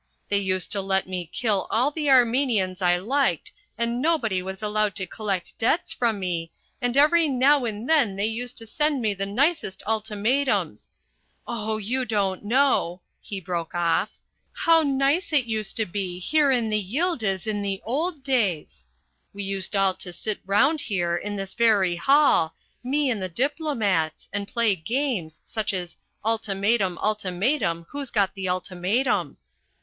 They used to let me kill all the Armenians I liked and nobody was allowed to collect debts from me, and every now and then they used to send me the nicest ultimatums Oh, you don't know," he broke off, "how nice it used to be here in the Yildiz in the old days! We used all to sit round here, in this very hall, me and the diplomats, and play games, such as 'Ultimatum, ultimatum, who's got the ultimatum.'